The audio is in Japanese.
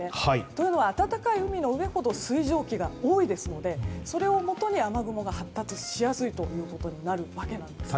というのは暖かい海の上ほど水蒸気が多いですのでそれをもとに雨雲が発達しやすいことになるわけなんです。